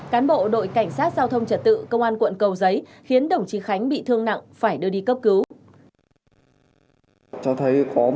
cán bộ đội cảnh sát giao thông trật tự công an quận cầu giấy khiến đồng chí khánh bị thương nặng phải đưa đi cấp cứu